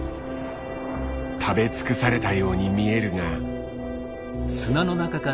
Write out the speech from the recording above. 食べ尽くされたように見えるが。